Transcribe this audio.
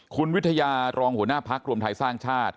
คุณวิทยารองหัวหน้าพักรวมไทยสร้างชาติ